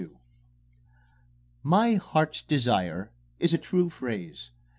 XXXII "My heart's desire" is a true phrase.